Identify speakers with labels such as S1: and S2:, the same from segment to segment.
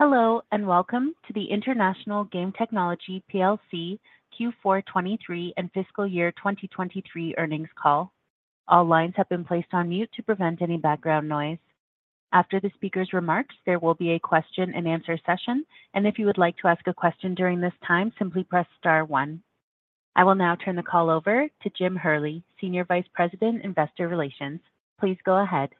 S1: Hello, and welcome to the International Game Technology PLC Q4 2023 and Fiscal Year 2023 Earnings Call. All lines have been placed on mute to prevent any background noise. After the speaker's remarks, there will be a question and answer session, and if you would like to ask a question during this time, simply press star one. I will now turn the call over to James Hurley, Senior Vice President, Investor Relations. Please go ahead.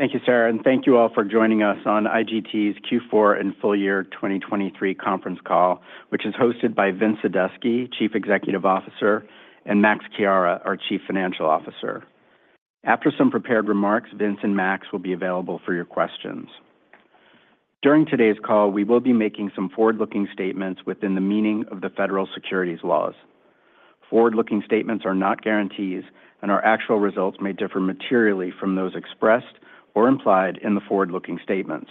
S2: Thank you, Sarah, and thank you all for joining us on IGT's Q4 and Full Year 2023 Conference Call, which is hosted by Vince Sadusky, Chief Executive Officer, and Max Chiara, our Chief Financial Officer. After some prepared remarks, Vince and Max will be available for your questions. During today's call, we will be making some forward-looking statements within the meaning of the federal securities laws. Forward-looking statements are not guarantees, and our actual results may differ materially from those expressed or implied in the forward-looking statements.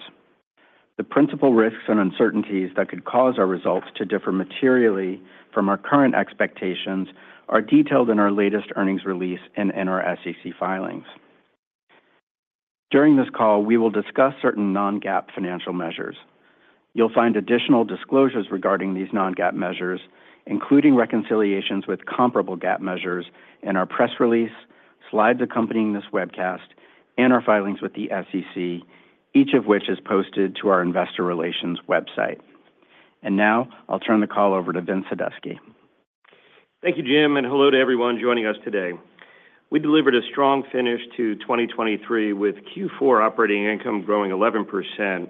S2: The principal risks and uncertainties that could cause our results to differ materially from our current expectations are detailed in our latest earnings release and in our SEC filings. During this call, we will discuss certain non-GAAP financial measures. You'll find additional disclosures regarding these non-GAAP measures, including reconciliations with comparable GAAP measures in our press release, slides accompanying this webcast, and our filings with the SEC, each of which is posted to our investor relations website. Now, I'll turn the call over to Vince Sadusky.
S3: Thank you, Jim, and hello to everyone joining us today. We delivered a strong finish to 2023, with Q4 operating income growing 11%,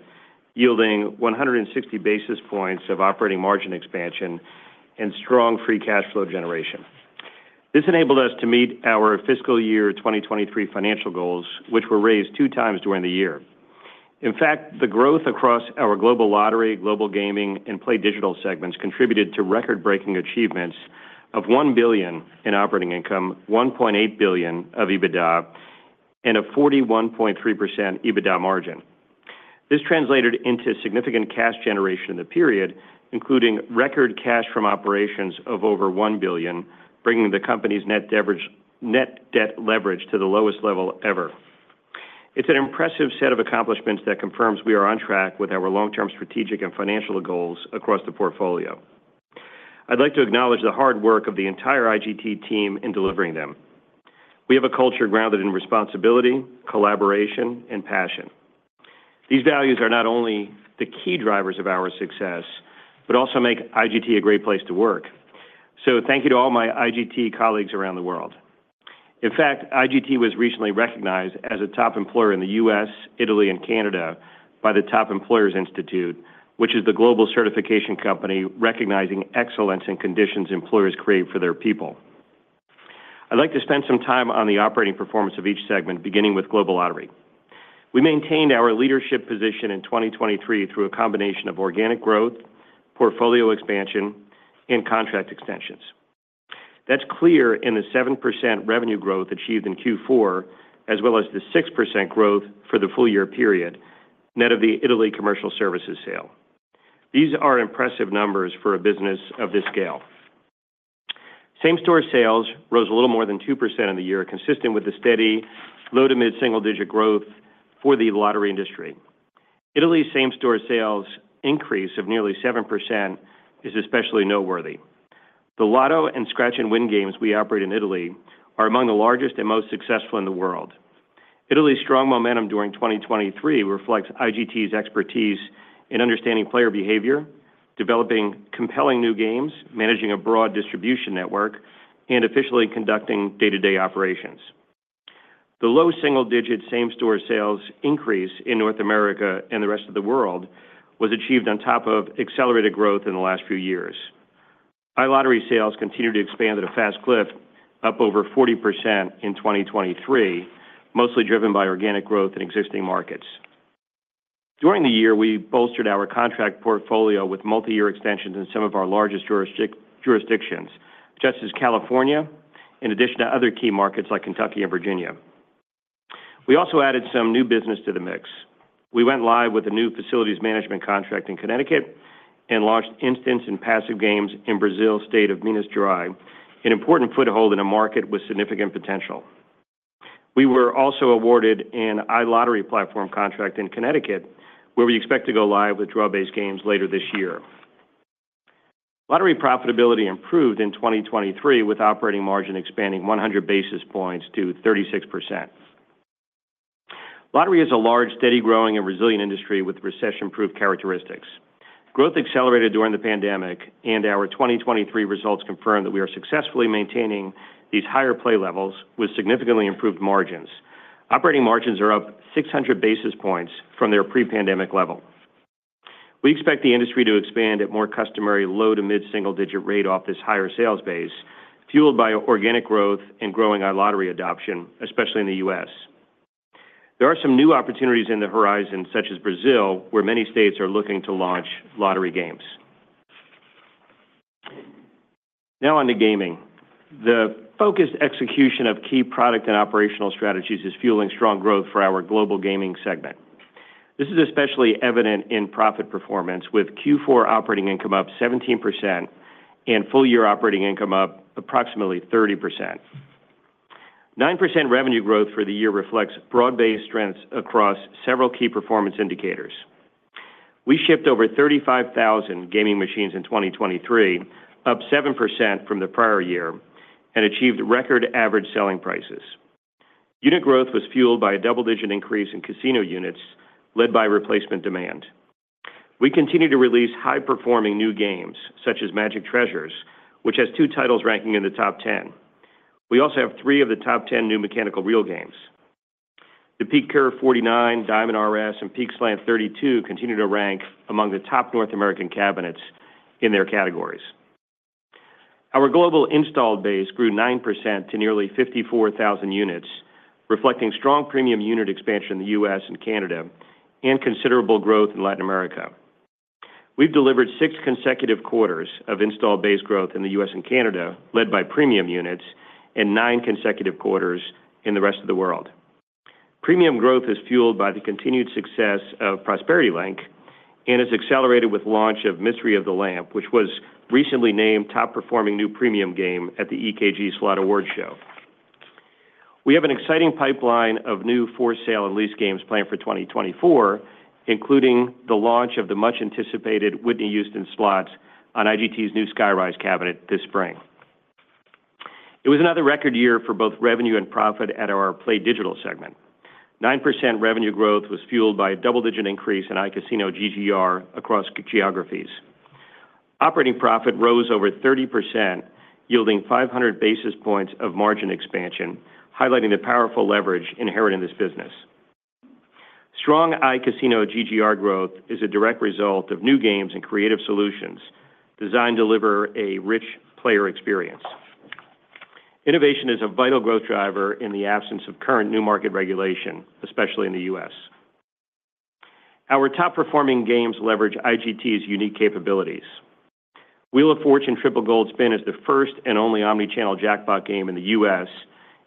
S3: yielding 160 basis points of operating margin expansion and strong free cash flow generation. This enabled us to meet our fiscal year 2023 financial goals, which were raised 2x during the year. In fact, the growth across our Global Lottery, Global Gaming, and PlayDigital segments contributed to record-breaking achievements of $1 billion in operating income, $1.8 billion of EBITDA, and a 41.3% EBITDA margin. This translated into significant cash generation in the period, including record cash from operations of over $1 billion, bringing the company's net debt leverage to the lowest level ever. It's an impressive set of accomplishments that confirms we are on track with our long-term strategic and financial goals across the portfolio. I'd like to acknowledge the hard work of the entire IGT team in delivering them. We have a culture grounded in responsibility, collaboration, and passion. These values are not only the key drivers of our success, but also make IGT a great place to work. So thank you to all my IGT colleagues around the world. In fact, IGT was recently recognized as a top employer in the U.S., Italy, and Canada by the Top Employers Institute, which is the global certification company recognizing excellence in the conditions employers create for their people. I'd like to spend some time on the operating performance of each segment, beginning with Global Lottery. We maintained our leadership position in 2023 through a combination of organic growth, portfolio expansion, and contract extensions. That's clear in the 7% revenue growth achieved in Q4, as well as the 6% growth for the full year period, net of the Italy commercial services sale. These are impressive numbers for a business of this scale. Same-store sales rose a little more than 2% in the year, consistent with the steady low to mid-single-digit growth for the lottery industry. Italy's same-store sales increase of nearly 7% is especially noteworthy. The lotto and scratch-and-win games we operate in Italy are among the largest and most successful in the world. Italy's strong momentum during 2023 reflects IGT's expertise in understanding player behavior, developing compelling new games, managing a broad distribution network, and officially conducting day-to-day operations. The low single-digit same-store sales increase in North America and the rest of the world was achieved on top of accelerated growth in the last few years. iLottery sales continued to expand at a fast clip, up over 40% in 2023, mostly driven by organic growth in existing markets. During the year, we bolstered our contract portfolio with multi-year extensions in some of our largest jurisdictions, such as California, in addition to other key markets like Kentucky and Virginia. We also added some new business to the mix. We went live with a new facilities management contract in Connecticut and launched instant and passive games in Brazil, state of Minas Gerais, an important foothold in a market with significant potential. We were also awarded an iLottery platform contract in Connecticut, where we expect to go live with draw-based games later this year. Lottery profitability improved in 2023, with operating margin expanding 100 basis points to 36%. Lottery is a large, steady, growing and resilient industry with recession-proof characteristics. Growth accelerated during the pandemic, and our 2023 results confirm that we are successfully maintaining these higher play levels with significantly improved margins. Operating margins are up 600 basis points from their pre-pandemic level. We expect the industry to expand at more customary low to mid-single-digit rate off this higher sales base, fueled by organic growth and growing our lottery adoption, especially in the U.S. There are some new opportunities in the horizon, such as Brazil, where many states are looking to launch lottery games. Now on to Gaming. The focused execution of key product and operational strategies is fueling strong growth for our Global Gaming segment. This is especially evident in profit performance, with Q4 operating income up 17% and full-year operating income up approximately 30%. 9% revenue growth for the year reflects broad-based strengths across several key performance indicators. We shipped over 35,000 gaming machines in 2023, up 7% from the prior year, and achieved record average selling prices. Unit growth was fueled by a double-digit increase in casino units, led by replacement demand. We continued to release high-performing new games, such as Magic Treasures, which has two titles ranking in the top 10. We also have three of the top 10 new mechanical reel games. The PeakCurve 49, DiamondRS, and PeakSlant32 continue to rank among the top North American cabinets in their categories. Our global installed base grew 9% to nearly 54,000 units, reflecting strong premium unit expansion in the US and Canada, and considerable growth in Latin America. We've delivered six consecutive quarters of installed base growth in the US and Canada, led by premium units, and nine consecutive quarters in the rest of the world. Premium growth is fueled by the continued success of Prosperity Link and is accelerated with launch of Mystery of the Lamp, which was recently named top-performing new premium game at the EKG Slot Awards Show. We have an exciting pipeline of new for-sale and lease games planned for 2024, including the launch of the much-anticipated Whitney Houston Slots on IGT's new SkyRise cabinet this spring. It was another record year for both revenue and profit at our PlayDigital segment. 9% revenue growth was fueled by a double-digit increase in iCasino GGR across geographies. Operating profit rose over 30%, yielding 500 basis points of margin expansion, highlighting the powerful leverage inherent in this business. Strong iCasino GGR growth is a direct result of new games and creative solutions designed to deliver a rich player experience. Innovation is a vital growth driver in the absence of current new market regulation, especially in the U.S. Our top-performing games leverage IGT's unique capabilities. Wheel of Fortune: Triple Gold Spin is the first and only omni-channel jackpot game in the U.S.,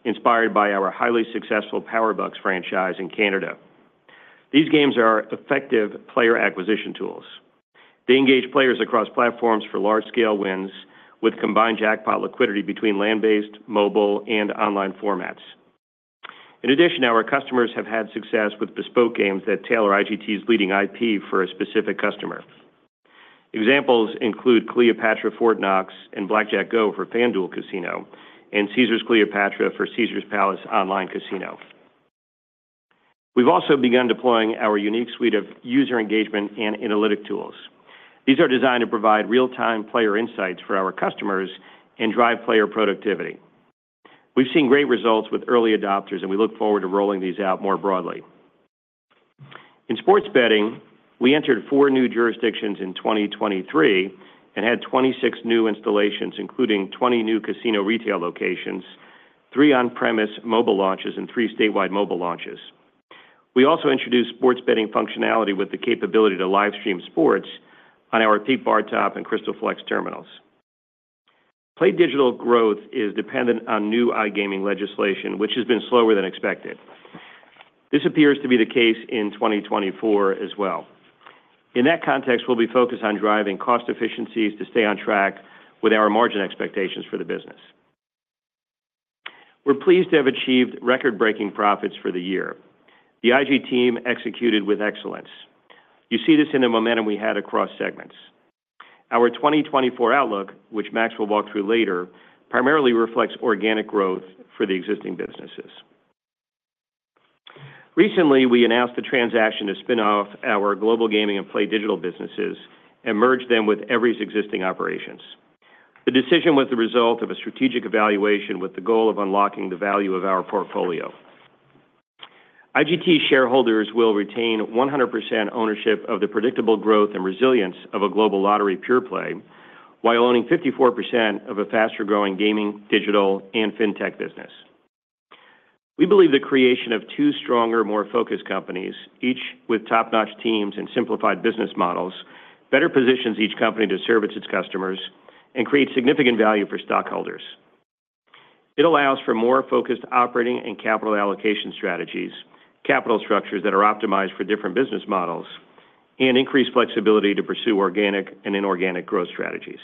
S3: inspired by our highly successful Powerbucks franchise in Canada. These games are effective player acquisition tools. They engage players across platforms for large-scale wins with combined jackpot liquidity between land-based, mobile, and online formats. In addition, our customers have had success with bespoke games that tailor IGT's leading IP for a specific customer. Examples include Cleopatra Fort Knox and Blackjack Go for FanDuel Casino and Caesars Cleopatra for Caesars Palace Online Casino. We've also begun deploying our unique suite of user engagement and analytics tools. These are designed to provide real-time player insights for our customers and drive player productivity. We've seen great results with early adopters, and we look forward to rolling these out more broadly. In sports betting, we entered 4 new jurisdictions in 2023 and had 26 new installations, including 20 new casino retail locations, 3 on-premise mobile launches, and 3 statewide mobile launches. We also introduced sports betting functionality with the capability to live stream sports on our PeakBarTop and CrystalFlex terminals. PlayDigital growth is dependent on new iGaming legislation, which has been slower than expected. This appears to be the case in 2024 as well. In that context, we'll be focused on driving cost efficiencies to stay on track with our margin expectations for the business. We're pleased to have achieved record-breaking profits for the year. The IG team executed with excellence. You see this in the momentum we had across segments. Our 2024 outlook, which Max will walk through later, primarily reflects organic growth for the existing businesses. Recently, we announced the transaction to spin off our Global Gaming and PlayDigital businesses and merge them with Everi's existing operations. The decision was the result of a strategic evaluation with the goal of unlocking the value of our portfolio. IGT shareholders will retain 100% ownership of the predictable growth and resilience of a global lottery pure-play, while owning 54% of a faster-growing Gaming, Digital, and FinTech business. We believe the creation of two stronger, more focused companies, each with top-notch teams and simplified business models, better positions each company to service its customers and create significant value for stockholders. It allows for more focused operating and capital allocation strategies, capital structures that are optimized for different business models, and increased flexibility to pursue organic and inorganic growth strategies.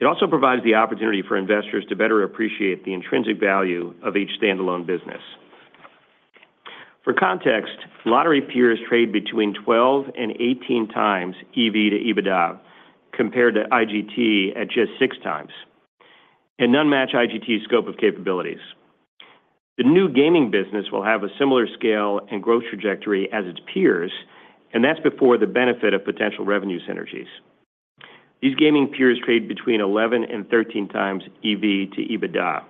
S3: It also provides the opportunity for investors to better appreciate the intrinsic value of each standalone business. For context, lottery peers trade between 12x-18x EV to EBITDA, compared to IGT at just 6x, and none match IGT's scope of capabilities. The new gaming business will have a similar scale and growth trajectory as its peers, and that's before the benefit of potential revenue synergies. These gaming peers trade between 11x-13x EV to EBITDA.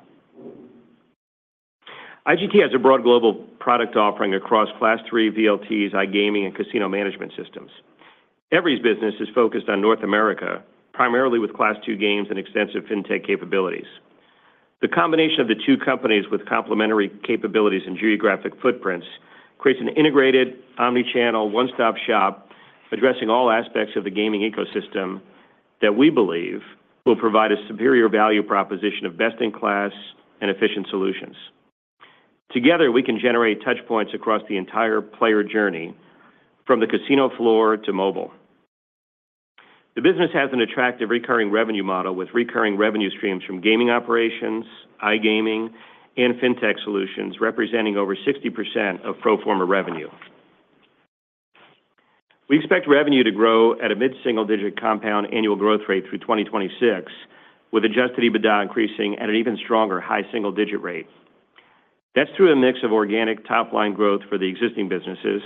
S3: IGT has a broad global product offering across Class III VLTs, iGaming, and casino management systems. Everi's business is focused on North America, primarily with Class II games and extensive FinTech capabilities. The combination of the two companies with complementary capabilities and geographic footprints creates an integrated, omni-channel, one-stop shop, addressing all aspects of the gaming ecosystem that we believe will provide a superior value proposition of best-in-class and efficient solutions. Together, we can generate touch points across the entire player journey, from the casino floor to mobile. The business has an attractive recurring revenue model with recurring revenue streams from gaming operations, iGaming, and FinTech solutions, representing over 60% of pro forma revenue. We expect revenue to grow at a mid-single digit compound annual growth rate through 2026, with adjusted EBITDA increasing at an even stronger high single digit rate. That's through a mix of organic top-line growth for the existing businesses,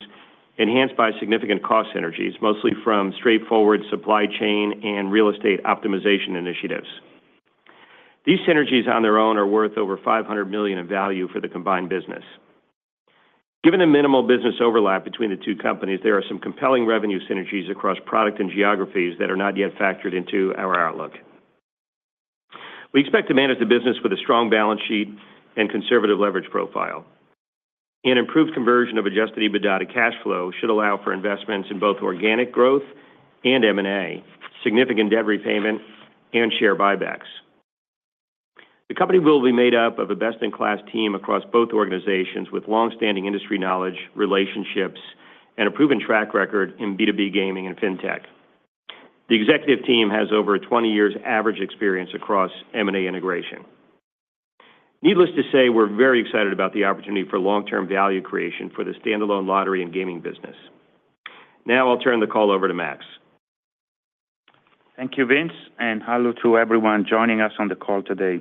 S3: enhanced by significant cost synergies, mostly from straightforward supply chain and real estate optimization initiatives. These synergies on their own are worth over $500 million in value for the combined business. Given the minimal business overlap between the two companies, there are some compelling revenue synergies across product and geographies that are not yet factored into our outlook. We expect to manage the business with a strong balance sheet and conservative leverage profile. An improved conversion of adjusted EBITDA to cash flow should allow for investments in both organic growth and M&A, significant debt repayment, and share buybacks. The company will be made up of a best-in-class team across both organizations, with long-standing industry knowledge, relationships, and a proven track record in B2B gaming and FinTech. The executive team has over 20 years average experience across M&A integration. Needless to say, we're very excited about the opportunity for long-term value creation for the standalone Lottery and Gaming business. Now I'll turn the call over to Max.
S4: Thank you, Vince, and hello to everyone joining us on the call today.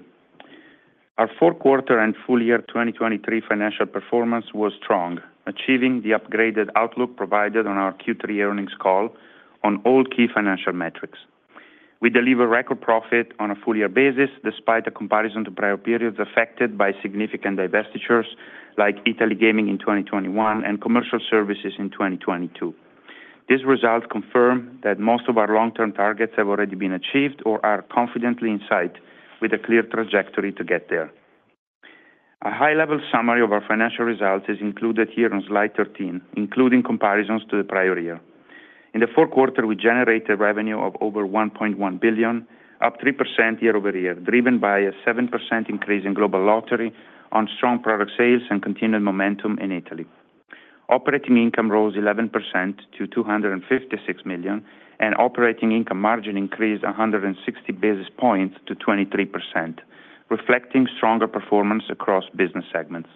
S4: Our fourth quarter and full year 2023 financial performance was strong, achieving the upgraded outlook provided on our Q3 earnings call on all key financial metrics. We delivered record profit on a full year basis, despite the comparison to prior periods affected by significant divestitures like Italy Gaming in 2021 and Commercial Services in 2022. These results confirm that most of our long-term targets have already been achieved or are confidently in sight, with a clear trajectory to get there. A high-level summary of our financial results is included here on slide 13, including comparisons to the prior year. In the fourth quarter, we generated revenue of over $1.1 billion, up 3% year-over-year, driven by a 7% increase in Global Lottery on strong product sales and continued momentum in Italy. Operating income rose 11% to $256 million, and operating income margin increased 160 basis points to 23%, reflecting stronger performance across business segments.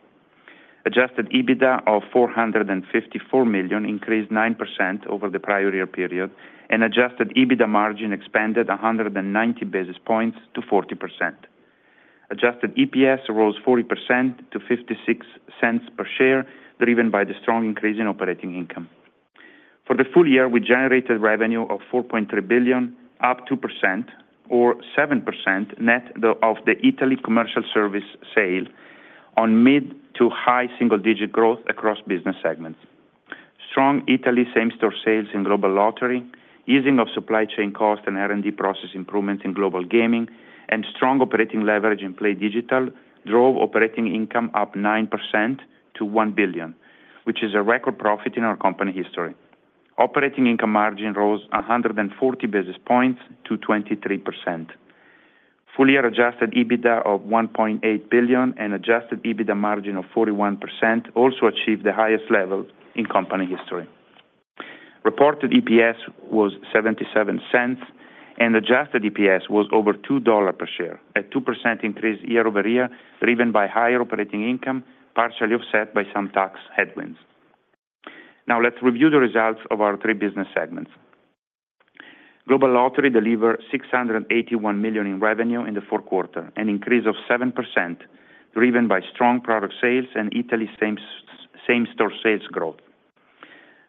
S4: Adjusted EBITDA of $454 million increased 9% over the prior year period, and adjusted EBITDA margin expanded 190 basis points to 40%. Adjusted EPS rose 40% to $0.56 per share, driven by the strong increase in operating income. For the full year, we generated revenue of $4.3 billion, up 2% or 7% net of the Italy Commercial Service sale on mid- to high single-digit growth across business segments. Strong Italy same-store sales in Global Lottery, easing of supply chain costs and R&D process improvements in Global Gaming, and strong operating leverage in PlayDigital drove operating income up 9% to $1 billion, which is a record profit in our company history. Operating income margin rose 140 basis points to 23%. Full-year adjusted EBITDA of $1.8 billion and adjusted EBITDA margin of 41% also achieved the highest level in company history. Reported EPS was $0.77, and adjusted EPS was over $2 per share, a 2% increase year-over-year, driven by higher operating income, partially offset by some tax headwinds. Now, let's review the results of our three business segments. Global Lottery delivered $681 million in revenue in the fourth quarter, an increase of 7%, driven by strong product sales and Italy same-store sales growth.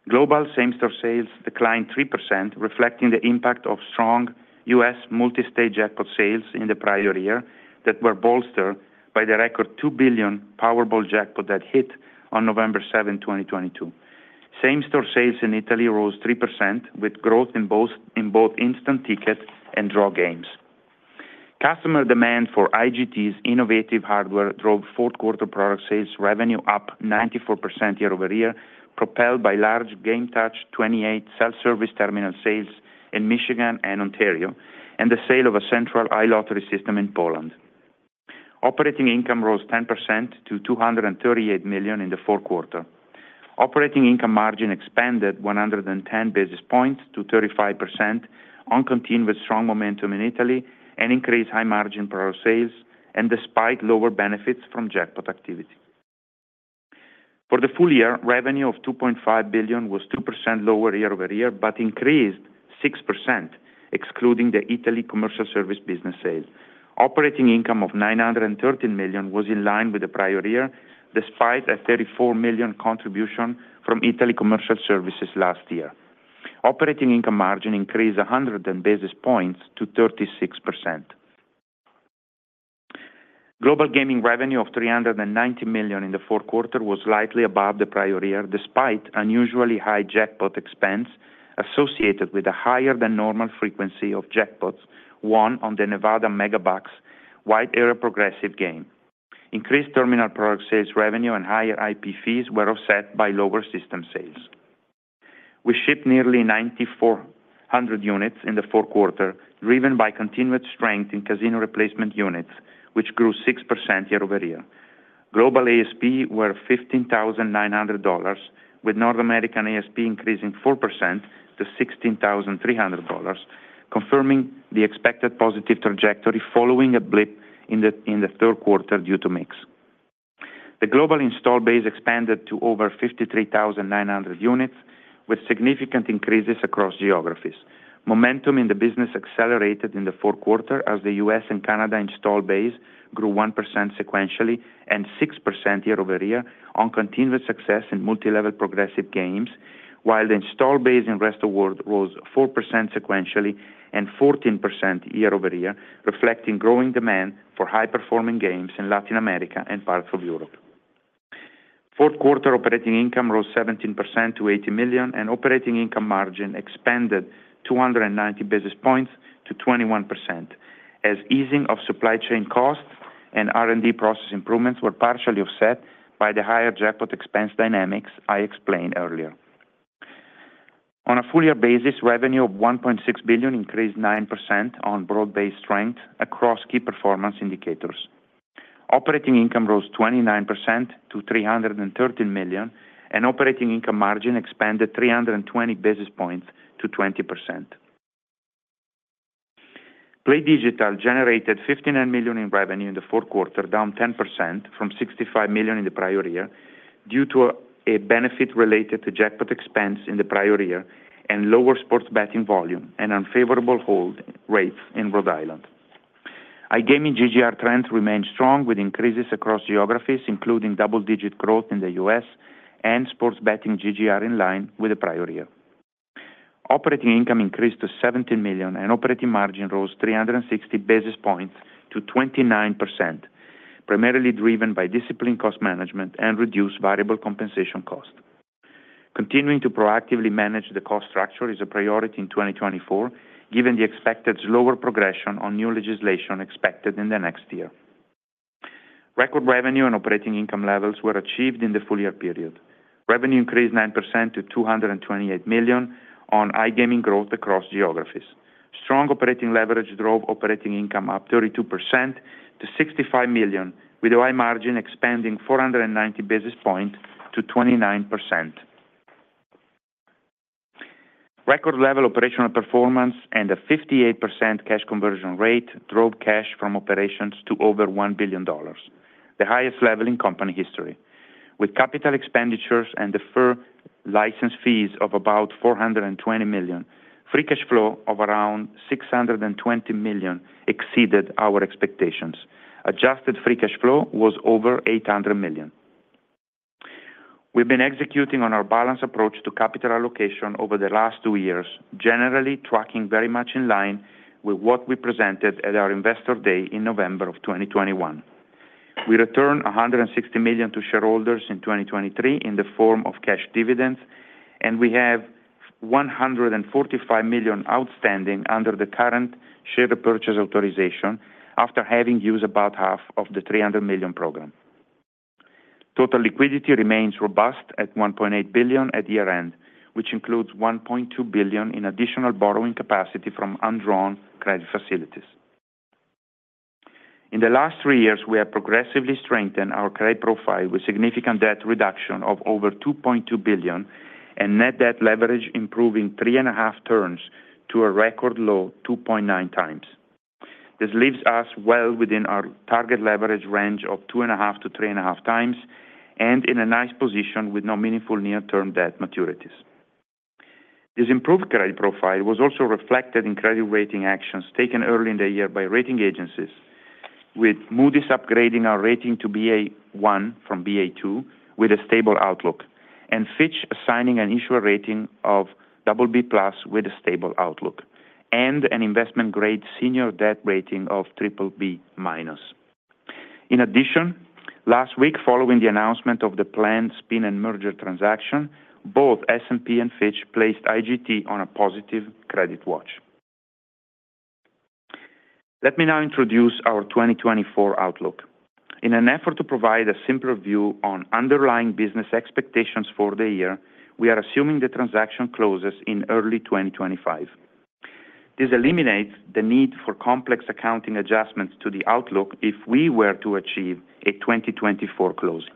S4: Global same-store sales declined 3%, reflecting the impact of strong US multi-state jackpot sales in the prior year that were bolstered by the record $2 billion Powerball jackpot that hit on November 7, 2022. Same-store sales in Italy rose 3%, with growth in both instant ticket and draw games. Customer demand for IGT's innovative hardware drove fourth quarter product sales revenue up 94% year-over-year, propelled by large GameTouch 28 self-service terminal sales in Michigan and Ontario, and the sale of a central iLottery system in Poland. Operating income rose 10% to $238 million in the fourth quarter. Operating income margin expanded 110 basis points to 35% on continued strong momentum in Italy and increased high-margin product sales and despite lower benefits from jackpot activity. For the full year, revenue of $2.5 billion was 2% lower year-over-year, but increased 6%, excluding the Italy Commercial Services business sales. Operating income of $913 million was in line with the prior year, despite a $34 million contribution from Italy Commercial Services last year. Operating income margin increased 100 basis points to 36%. Global Gaming revenue of $390 million in the fourth quarter was slightly above the prior year, despite unusually high jackpot expense associated with a higher-than-normal frequency of jackpots won on the Nevada Megabucks wide area progressive game. Increased terminal product sales revenue and higher IP fees were offset by lower system sales. We shipped nearly 9,400 units in the fourth quarter, driven by continued strength in casino replacement units, which grew 6% year-over-year. Global ASP were $15,900, with North American ASP increasing 4% to $16,300, confirming the expected positive trajectory following a blip in the third quarter due to mix. The global install base expanded to over 53,900 units, with significant increases across geographies. Momentum in the business accelerated in the fourth quarter as the US and Canada install base grew 1% sequentially and 6% year-over-year on continuous success in multi-level progressive games, while the install base in rest of world rose 4% sequentially and 14% year-over-year, reflecting growing demand for high-performing games in Latin America and parts of Europe. Fourth quarter operating income rose 17% to $80 million, and operating income margin expanded 290 basis points to 21%, as easing of supply chain costs and R&D process improvements were partially offset by the higher jackpot expense dynamics I explained earlier. On a full year basis, revenue of $1.6 billion increased 9% on broad-based strength across key performance indicators. Operating income rose 29% to $313 million, and operating income margin expanded 320 basis points to 20%. PlayDigital generated $59 million in revenue in the fourth quarter, down 10% from $65 million in the prior year, due to a benefit related to jackpot expense in the prior year and lower sports betting volume and unfavorable hold rates in Rhode Island. iGaming GGR trends remained strong, with increases across geographies, including double-digit growth in the U.S. and sports betting GGR in line with the prior year. Operating income increased to $17 million, and operating margin rose 360 basis points to 29%, primarily driven by disciplined cost management and reduced variable compensation cost. Continuing to proactively manage the cost structure is a priority in 2024, given the expected slower progression on new legislation expected in the next year. Record revenue and operating income levels were achieved in the full year period. Revenue increased 9% to $228 million on iGaming growth across geographies. Strong operating leverage drove operating income up 32% to $65 million, with our margin expanding 490 basis points to 29%. Record level operational performance and a 58% cash conversion rate drove cash from operations to over $1 billion, the highest level in company history. With capital expenditures and deferred license fees of about $420 million, free cash flow of around $620 million exceeded our expectations. Adjusted free cash flow was over $800 million. We've been executing on our balanced approach to capital allocation over the last two years, generally tracking very much in line with what we presented at our Investor Day in November of 2021. We returned $160 million to shareholders in 2023 in the form of cash dividends, and we have $145 million outstanding under the current share repurchase authorization after having used about half of the $300 million program. Total liquidity remains robust at $1.8 billion at year-end, which includes $1.2 billion in additional borrowing capacity from undrawn credit facilities. In the last three years, we have progressively strengthened our credit profile with significant debt reduction of over $2.2 billion and net debt leverage improving 3.5x turns to a record low 2.9x. This leaves us well within our target leverage range of 2.5x-3.5x, and in a nice position with no meaningful near-term debt maturities. This improved credit profile was also reflected in credit rating actions taken early in the year by rating agencies, with Moody's upgrading our rating to Ba1 from Ba2 with a stable outlook, and Fitch assigning an issuer rating of BB+ with a stable outlook, and an investment-grade senior debt rating of BBB-. In addition, last week, following the announcement of the planned spin and merger transaction, both S&P and Fitch placed IGT on a positive credit watch. Let me now introduce our 2024 outlook. In an effort to provide a simpler view on underlying business expectations for the year, we are assuming the transaction closes in early 2025. This eliminates the need for complex accounting adjustments to the outlook if we were to achieve a 2024 closing.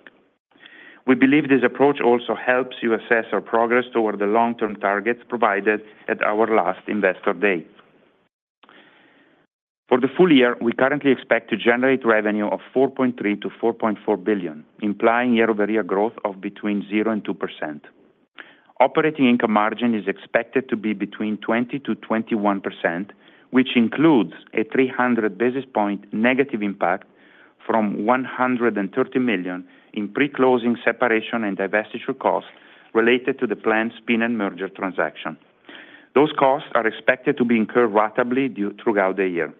S4: We believe this approach also helps you assess our progress toward the long-term targets provided at our last Investor Day. For the full year, we currently expect to generate revenue of $4.3 billion to $4.4 billion, implying year-over-year growth of between 0% and 2%. Operating income margin is expected to be between 20%-21%, which includes a 300 basis point negative impact from $130 million in pre-closing separation and divestiture costs related to the planned spin and merger transaction. Those costs are expected to be incurred ratably due throughout the year.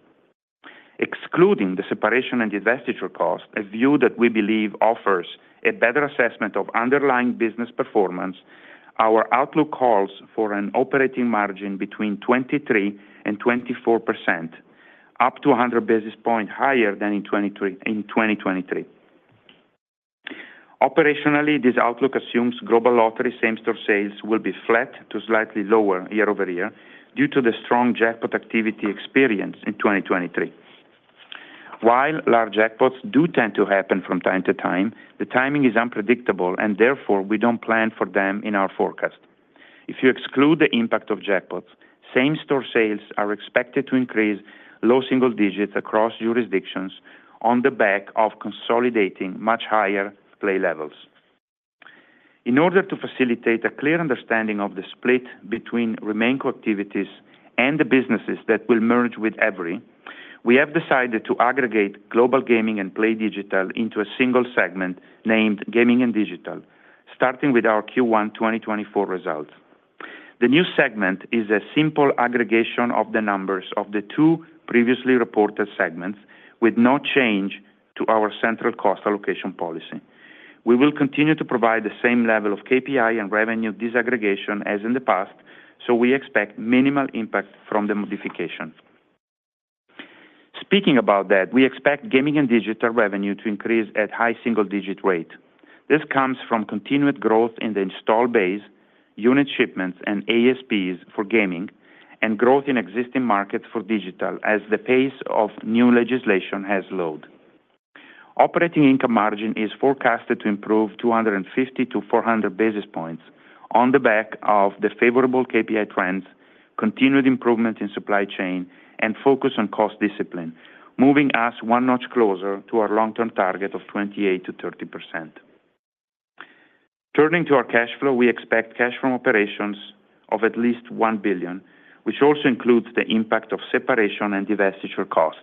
S4: Excluding the separation and divestiture costs, a view that we believe offers a better assessment of underlying business performance, our outlook calls for an operating margin between 23%-24%, up to 100 basis points higher than in 2023. Operationally, this outlook assumes Global Lottery same-store sales will be flat to slightly lower year-over-year due to the strong jackpot activity experienced in 2023. While large jackpots do tend to happen from time to time, the timing is unpredictable and therefore we don't plan for them in our forecast. If you exclude the impact of jackpots, same-store sales are expected to increase low single digits across jurisdictions on the back of consolidating much higher play levels. In order to facilitate a clear understanding of the split between remaining activities and the businesses that will merge with Everi, we have decided to aggregate Global Gaming and PlayDigital into a single segment named Gaming and Digital, starting with our Q1 2024 results. The new segment is a simple aggregation of the numbers of the two previously reported segments, with no change to our central cost allocation policy. We will continue to provide the same level of KPI and revenue disaggregation as in the past, so we expect minimal impact from the modification. Speaking about that, we expect Gaming and Digital revenue to increase at high single-digit rate. This comes from continued growth in the install base, unit shipments and ASPs for Gaming, and growth in existing markets for digital as the pace of new legislation has slowed. Operating income margin is forecasted to improve 250-400 basis points on the back of the favorable KPI trends, continued improvement in supply chain and focus on cost discipline, moving us one notch closer to our long-term target of 28%-30%. Turning to our cash flow, we expect cash from operations of at least $1 billion, which also includes the impact of separation and divestiture cost.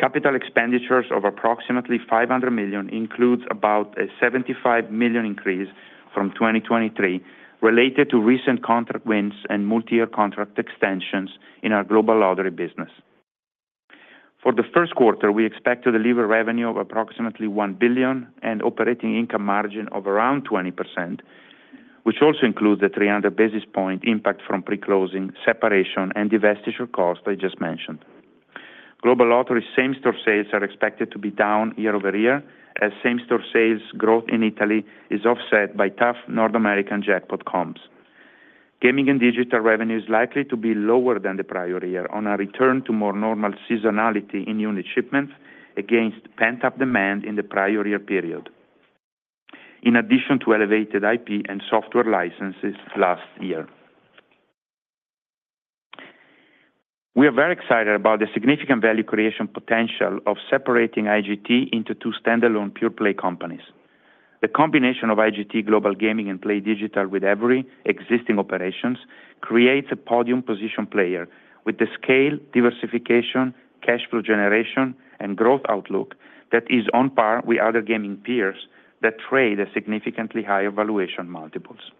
S4: Capital expenditures of approximately $500 million includes about a $75 million increase from 2023 related to recent contract wins and multi-year contract extensions in our Global Lottery business. For the first quarter, we expect to deliver revenue of approximately $1 billion and operating income margin of around 20%, which also includes the 300 basis point impact from pre-closing, separation, and divestiture costs I just mentioned. Global Lottery same-store sales are expected to be down year-over-year, as same-store sales growth in Italy is offset by tough North American jackpot comps. Gaming and Digital revenue is likely to be lower than the prior year on a return to more normal seasonality in unit shipments against pent-up demand in the prior year period. In addition to elevated IP and software licenses last year. We are very excited about the significant value creation potential of separating IGT into two standalone pure play companies. The combination of IGT Global Gaming and PlayDigital with Everi existing operations creates a podium position player with the scale, diversification, cash flow generation, and growth outlook that is on par with other gaming peers that trade at significantly higher valuation multiples.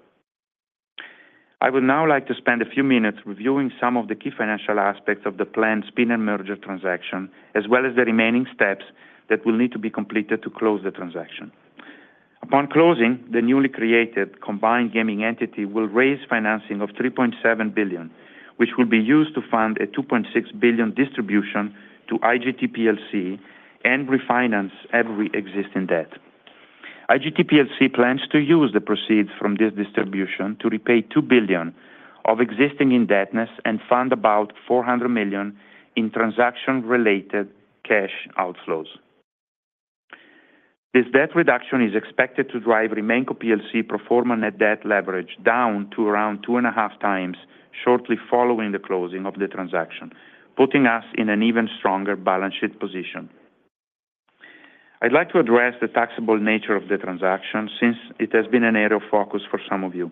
S4: I would now like to spend a few minutes reviewing some of the key financial aspects of the planned spin and merger transaction, as well as the remaining steps that will need to be completed to close the transaction. Upon closing, the newly created combined gaming entity will raise financing of $3.7 billion, which will be used to fund a $2.6 billion distribution to IGT PLC and refinance Everi existing debt. IGT PLC plans to use the proceeds from this distribution to repay $2 billion of existing indebtedness and fund about $400 million in transaction-related cash outflows. This debt reduction is expected to drive RemainCo PLC pro forma net debt leverage down to around 2.5x shortly following the closing of the transaction, putting us in an even stronger balance sheet position. I'd like to address the taxable nature of the transaction since it has been an area of focus for some of you.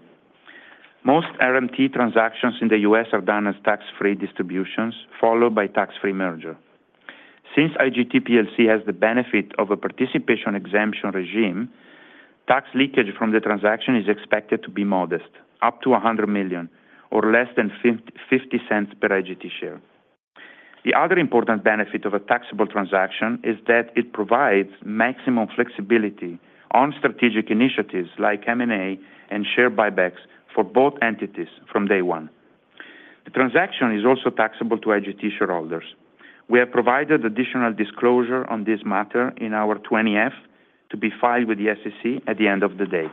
S4: Most RMT transactions in the U.S. are done as tax-free distributions, followed by tax-free merger. Since IGT PLC has the benefit of a participation exemption regime, tax leakage from the transaction is expected to be modest, up to $100 million or less than $0.50 per IGT share. The other important benefit of a taxable transaction is that it provides maximum flexibility on strategic initiatives like M&A and share buybacks for both entities from day one. The transaction is also taxable to IGT shareholders. We have provided additional disclosure on this matter in our 20-F to be filed with the SEC at the end of the day.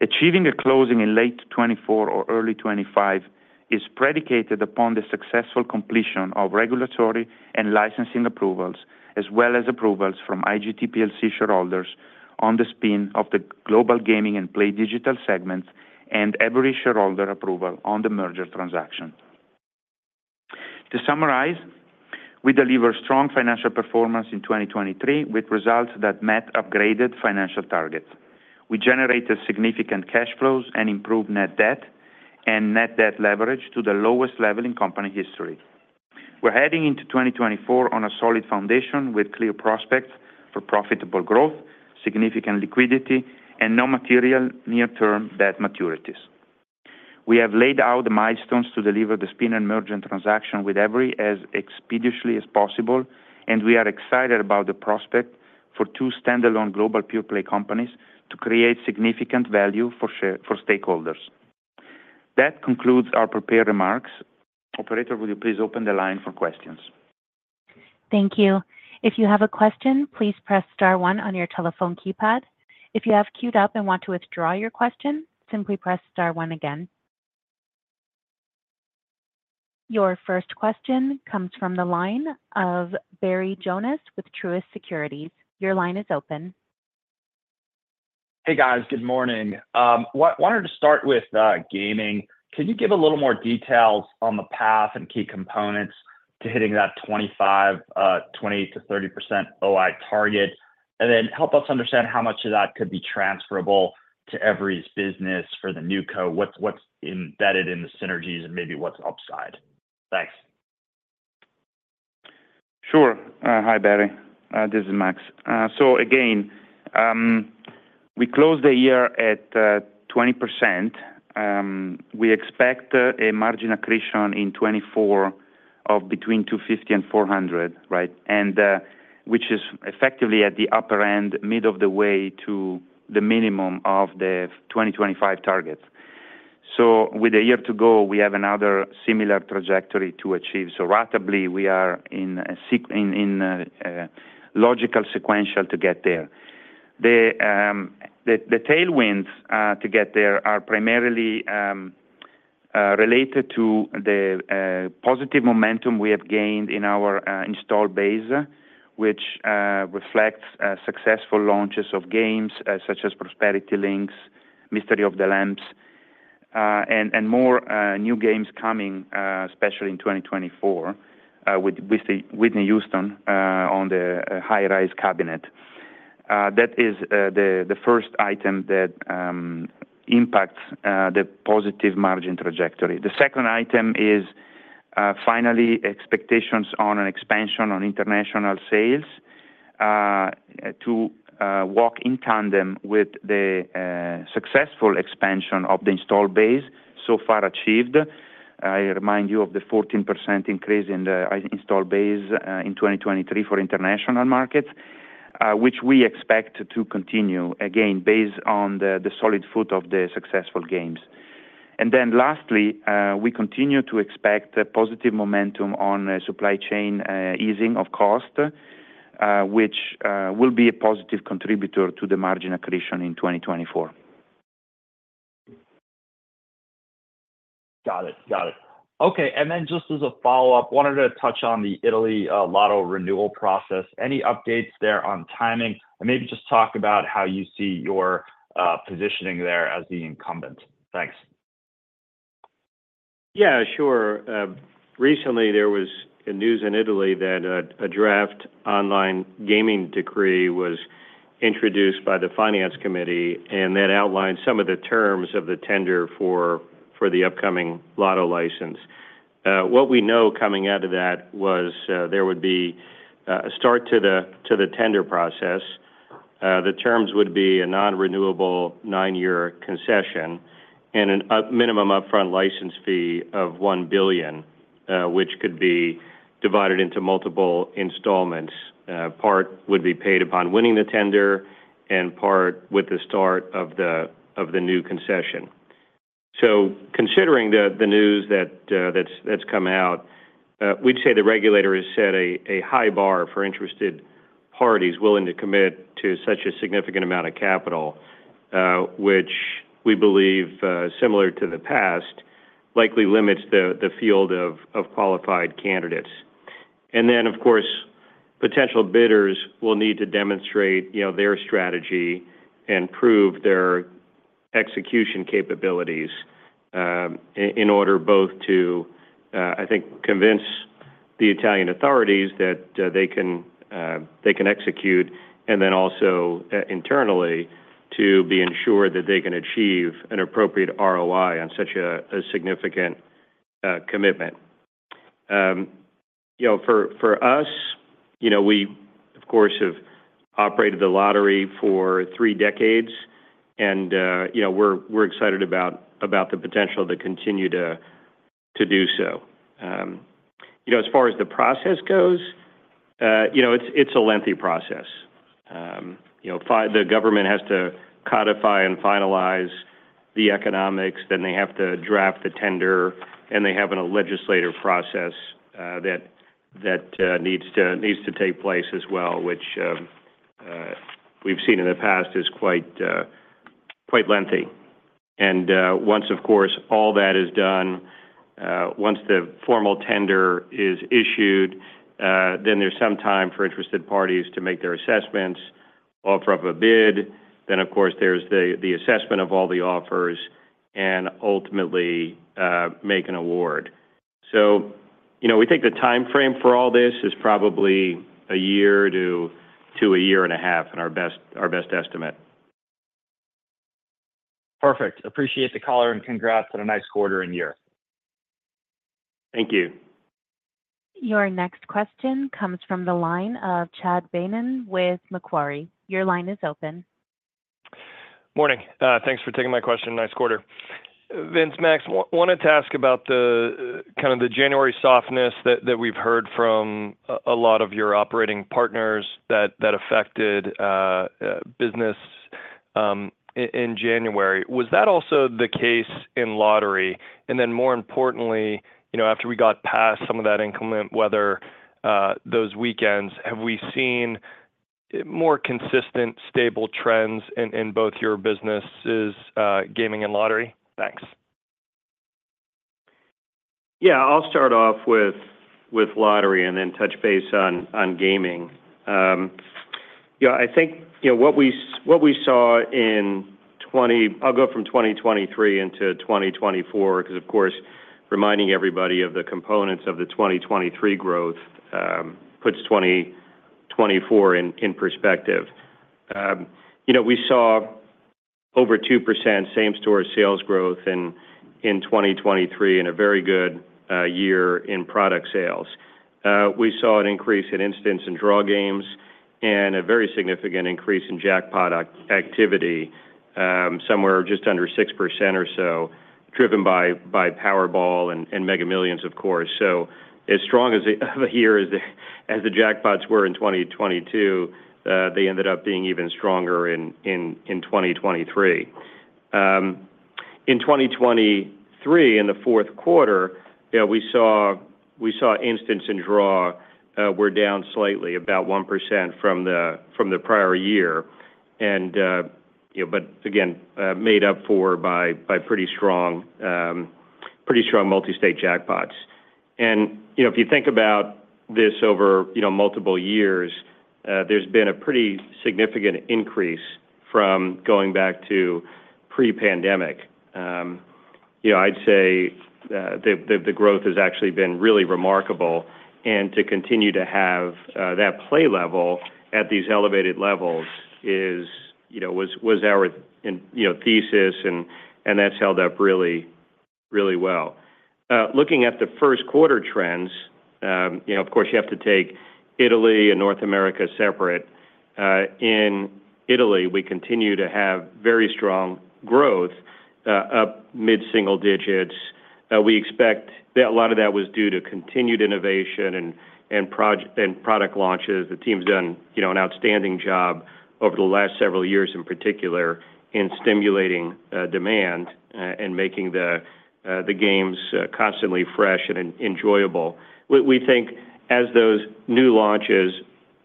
S4: Achieving a closing in late 2024 or early 2025 is predicated upon the successful completion of regulatory and licensing approvals, as well as approvals from IGT PLC shareholders on the spin of the Global Gaming and PlayDigital segments and Everi shareholder approval on the merger transaction. To summarize, we deliver strong financial performance in 2023, with results that met upgraded financial targets. We generated significant cash flows and improved net debt and net debt leverage to the lowest level in company history. We're heading into 2024 on a solid foundation with clear prospects for profitable growth, significant liquidity, and no material near-term debt maturities. We have laid out the milestones to deliver the spin and merger transaction with Everi as expeditiously as possible, and we are excited about the prospect for two standalone global pure play companies to create significant value for share-- for stakeholders. That concludes our prepared remarks. Operator, will you please open the line for questions?
S1: Thank you. If you have a question, please press star one on your telephone keypad. If you have queued up and want to withdraw your question, simply press star one again. Your first question comes from the line of Barry Jonas with Truist Securities. Your line is open.
S5: Hey, guys. Good morning. Wanted to start with Gaming. Can you give a little more details on the path and key components to hitting that 25%, 20%-30% OI target? Then help us understand how much of that could be transferable to Everi's business for the new co. What's embedded in the synergies and maybe what's upside? Thanks.
S4: Sure. Hi, Barry. This is Max. So again, we closed the year at 20%. We expect a margin accretion in 2024 of between 250 and 400, right? And which is effectively at the upper end, mid of the way to the minimum of the 2025 targets. So with a year to go, we have another similar trajectory to achieve. So ratably, we are in a logical sequential to get there. The tailwinds to get there are primarily related to the positive momentum we have gained in our install base, which reflects successful launches of games such as Prosperity Link, Mystery of the Lamp, and more new games coming, especially in 2024, with the Whitney Houston on the SkyRise cabinet. That is the first item that impacts the positive margin trajectory. The second item is finally expectations on an expansion on international sales to walk in tandem with the successful expansion of the install base so far achieved. I remind you of the 14% increase in the install base in 2023 for international markets, which we expect to continue, again, based on the solid foot of the successful games. And then lastly, we continue to expect a positive momentum on a supply chain easing of cost, which will be a positive contributor to the margin accretion in 2024.
S5: Got it. Got it. Okay, and then just as a follow-up, wanted to touch on the Italy lotto renewal process. Any updates there on timing? And maybe just talk about how you see your positioning there as the incumbent. Thanks.
S3: Yeah, sure. Recently, there was a news in Italy that a draft online gaming decree was introduced by the finance committee, and that outlined some of the terms of the tender for the upcoming lotto license. What we know coming out of that was there would be a start to the tender process. The terms would be a non-renewable 9-year concession and a minimum upfront license fee of 1 billion, which could be divided into multiple installments. Part would be paid upon winning the tender and part with the start of the new concession. So considering the news that's come out, we'd say the regulator has set a high bar for interested parties willing to commit to such a significant amount of capital, which we believe, similar to the past, likely limits the field of qualified candidates. And then, of course, potential bidders will need to demonstrate, you know, their strategy and prove their execution capabilities, in order both to, I think, convince the Italian authorities that they can execute, and then also, internally, to be ensured that they can achieve an appropriate ROI on such a significant commitment. You know, for us, you know, we, of course, have operated the lottery for three decades, and, you know, we're excited about the potential to continue to do so. You know, as far as the process goes, you know, it's a lengthy process. You know, the government has to codify and finalize the economics, then they have to draft the tender, and they have a legislative process that needs to take place as well, which we've seen in the past is quite lengthy. Once, of course, all that is done, once the formal tender is issued, then there's some time for interested parties to make their assessments, offer up a bid. Then, of course, there's the assessment of all the offers, and ultimately make an award. So, you know, we think the timeframe for all this is probably a year to a year and a half in our best estimate.
S5: Perfect. Appreciate the call, and congrats on a nice quarter and year.
S3: Thank you.
S1: Your next question comes from the line of Chad Beynon with Macquarie. Your line is open.
S6: Morning. Thanks for taking my question. Nice quarter. Vince, Max, wanted to ask about the kind of the January softness that we've heard from a lot of your operating partners that affected business in January. Was that also the case in Lottery? And then more importantly, you know, after we got past some of that inclement weather, those weekends, have we seen more consistent, stable trends in both your businesses, Gaming and Lottery? Thanks.
S3: Yeah, I'll start off with Lottery and then touch base on Gaming. What we saw in 2023 into 2024, 'cause, of course, reminding everybody of the components of the 2023 growth puts 2024 in perspective. You know, we saw over 2% same-store sales growth in 2023 and a very good year in product sales. We saw an increase in instant and draw games and a very significant increase in jackpot activity, somewhere just under 6% or so, driven by Powerball and Mega Millions, of course. So as strong as the jackpots were in 2022, they ended up being even stronger in 2023. In 2023, in the fourth quarter, you know, we saw instant and draw were down slightly, about 1% from the prior year. But again, made up for by pretty strong multi-state jackpots. And, you know, if you think about this over multiple years, there's been a pretty significant increase from going back to pre-pandemic. You know, I'd say the growth has actually been really remarkable. And to continue to have that play level at these elevated levels is, you know, was our thesis, and that's held up really well. Looking at the first quarter trends of course, you have to take Italy and North America separate. In Italy, we continue to have very strong growth, up mid-single digits. We expect that a lot of that was due to continued innovation and product launches. The team's done, you know, an outstanding job over the last several years, in particular, in stimulating demand and making the games constantly fresh and enjoyable. We think as those new launches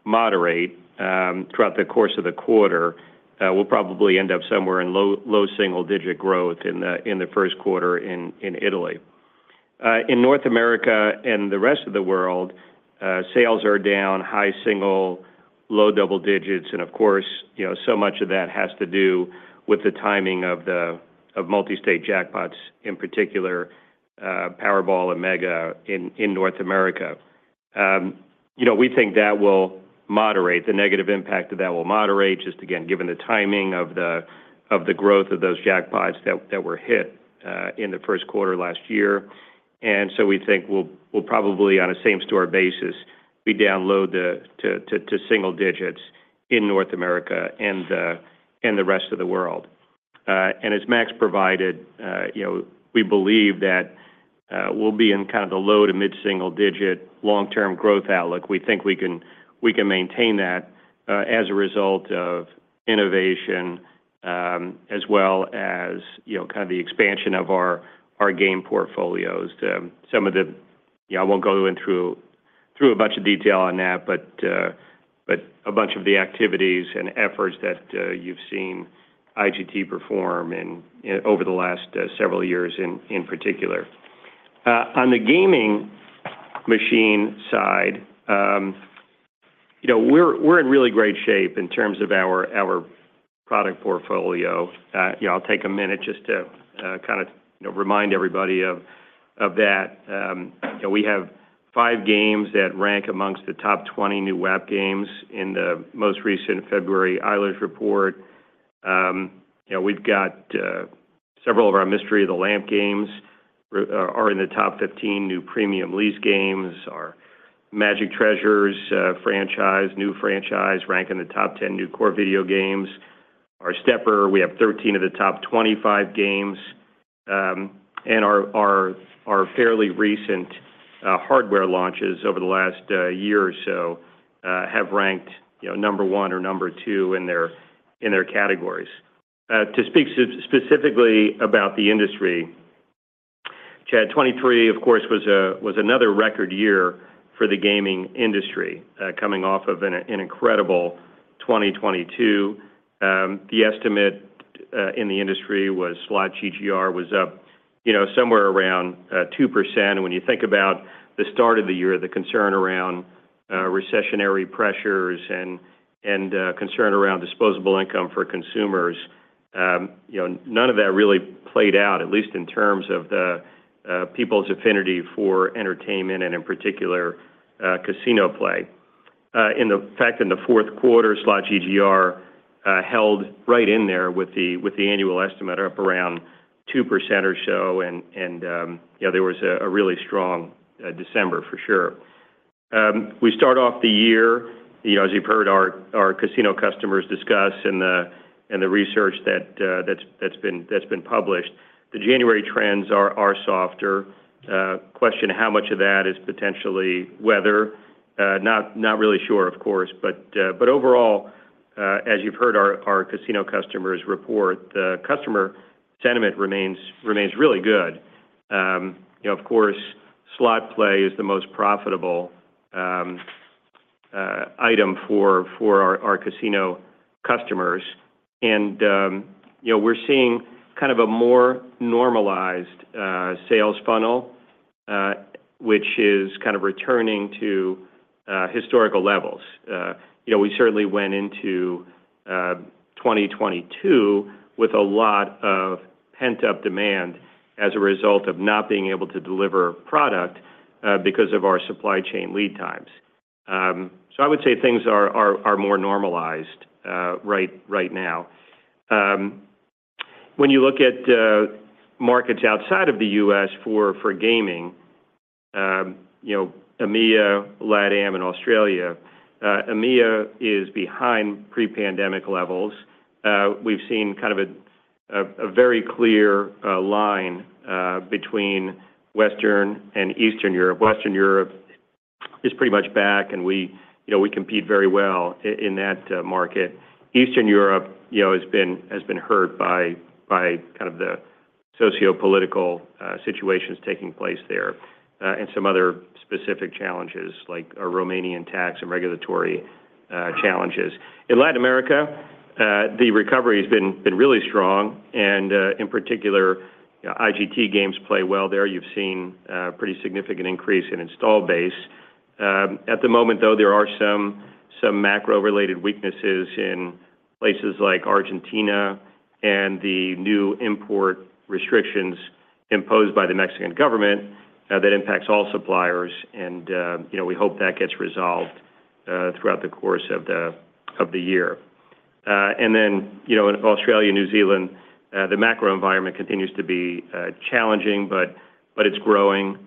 S3: moderate throughout the course of the quarter, we'll probably end up somewhere in low single digit growth in the first quarter in Italy. In North America and the rest of t world, sales are down high single, low double digits, and of course, you know, so much of that has to do with the timing of multi-state jackpots, in particular, Powerball and Mega in North America. we think that will moderate, the negative impact of that will moderate, just again, given the timing of the growth of those jackpots that were hit in the first quarter last year. And so we think we'll probably, on a same-store basis, be down low to single digits in North America and the rest of the world. And as Max provided, you know, we believe that we'll be in kind of the low to mid-single digit long-term growth outlook. We think we can maintain that as a result of innovation, as well as, you know, kind of the expansion of our game portfolios. I won't go in through a bunch of detail on that, but a bunch of the activities and efforts that you've seen IGT perform in over the last several years in particular. On the gaming machine side, you know, we're in really great shape in terms of our product portfolio. You know, I'll take a minute just to kind of remind everybody of that. You know, we have five games that rank amongst the top 20 new WAP games in the most recent February Eilers report. You know, we've got several of our Mystery of the Lamp games are in the top 15 new premium lease games. Our Magic Treasures franchise, new franchise, rank in the top 10 new core video games. Our stepper, we have 13 of the top 25 games. And our fairly recent hardware launches over the last year or so have ranked number one or number two in their categories. To speak specifically about the industry, Chad, 2023, of course, was another record year for the gaming industry, coming off of an incredible 2022. The estimate in the industry was slot GGR was up, you know, somewhere around 2%. And when you think about the start of the year, the concern around recessionary pressures and concern around disposable income for consumers, you know, none of that really played out, at least in terms of people's affinity for entertainment and in particular casino play. In fact, in the fourth quarter, slot GGR held right in there with the annual estimate, up around 2% or so. You know, there was a really strong December, for sure. We start off the year, you know, as you've heard our casino customers discuss and the research that's been published, the January trends are softer. Question how much of that is potentially weather? Not really sure, of course. Overall, as you've heard our casino customers report, the customer sentiment remains really good. You know, of course, slot play is the most profitable item for our casino customers. we're seeing kind of a more normalized sales funnel, which is kind of returning to historical levels. You know, we certainly went into 2022 with a lot of pent-up demand as a result of not being able to deliver product because of our supply chain lead times. So I would say things are more normalized right now. When you look at markets outside of the US for Gaming, EMEA, LATAM, and Australia, EMEA is behind pre-pandemic levels. We've seen kind of a very clear line between Western and Eastern Europe. Western Europe is pretty much back, and we, you know, we compete very well in that market. Eastern Europe, you know, has been hurt by kind of the sociopolitical situations taking place there, and some other specific challenges, like a Romanian tax and regulatory challenges. In Latin America, the recovery has been really strong, and, in particular, IGT games play well there. You've seen pretty significant increase in install base. At the moment, though, there are some macro-related weaknesses in places like Argentina and the new import restrictions imposed by the Mexican government that impacts all suppliers, and, you know, we hope that gets resolved throughout the course of the year. And then, you know, in Australia and New Zealand, the macro environment continues to be challenging, but it's growing.